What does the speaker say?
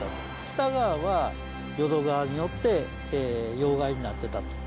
北側は、淀川によって要害になってたと。